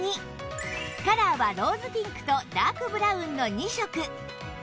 カラーはローズピンクとダークブラウンの２色